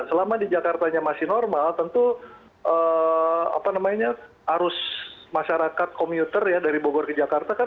selama di jakartanya masih normal tentu arus masyarakat komuter ya dari bogor ke jakarta kan